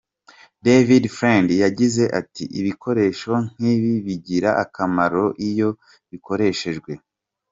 David Friend yagize ati “Ibikoresho nk’ibi bigira akamaro iyo bikoreshejwe.